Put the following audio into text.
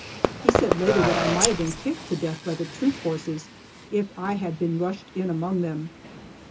He said later that I might have been kicked to death by the troop horses if I had been rushed in among them.